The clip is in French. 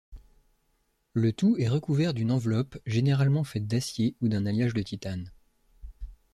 Le tout est recouvert d'une enveloppe généralement faite d'acier ou d'un alliage de titane.